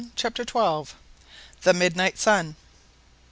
CHAPTER XII. THE MIDNIGHT SUN.